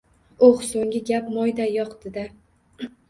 Oʻh! Soʻnggi gap moyday yoqdi-da.